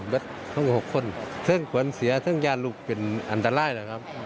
แบบทั้ง๖คนเสียทั้งยาลูกเป็นอันตรายเลยครับ